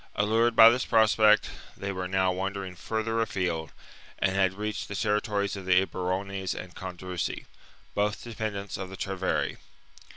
Allured by this prospect, they were now wandering further afield and had reached the territories of the Eburones and Condrusi, — both dependents of the Treveri.